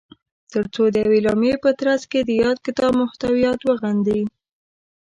تر څو د یوې اعلامیې په ترځ کې د یاد کتاب محتویات وغندي